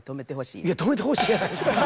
いや止めてほしいやない。